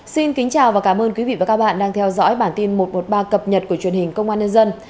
xin kính chào và cảm ơn quý vị và các bạn đang theo dõi bản tin một trăm một mươi ba cập nhật của truyền hình công an nhân dân